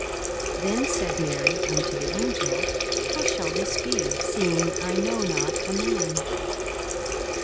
42:001:034 Then said Mary unto the angel, How shall this be, seeing I know not a man?